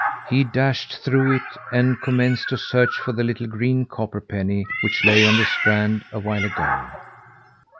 He dashed through it, and commenced to search for the little green copper penny which lay on the strand a while ago.